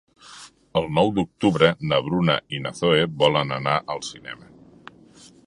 El nou d'octubre na Bruna i na Zoè volen anar al cinema.